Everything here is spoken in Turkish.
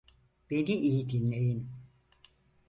Beni iyi dinleyin.